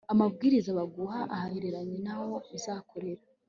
amabwiriza baguha ahereranye n'aho uzakorera